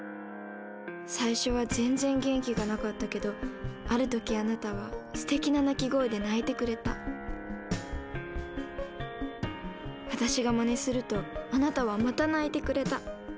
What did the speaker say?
最初は全然元気がなかったけどある時あなたはすてきな鳴き声で鳴いてくれた私がまねするとあなたはまた鳴いてくれた。